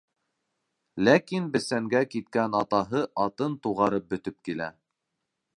Ләкин бесәнгә киткән атаһы атын туғарып бөтөп килә.